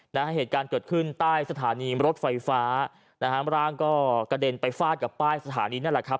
นะฮะเหตุการณ์เกิดขึ้นใต้สถานีรถไฟฟ้านะฮะร่างก็กระเด็นไปฟาดกับป้ายสถานีนั่นแหละครับ